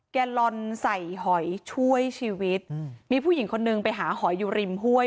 แกลลอนใส่หอยช่วยชีวิตมีผู้หญิงคนนึงไปหาหอยอยู่ริมห้วย